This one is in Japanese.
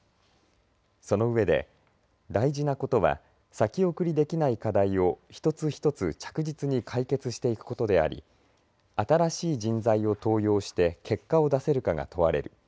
そのうえで大事なことは先送りできない課題を一つ一つ、着実に解決していくことであり新しい人材を登用して結果を出せるかが問われる。